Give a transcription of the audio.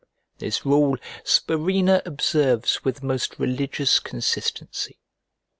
This rule Spurinna observes with the most religious consistency.